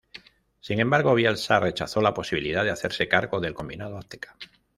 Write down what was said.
Sin embargo, Bielsa rechazó la posibilidad de hacerse cargo del combinado azteca.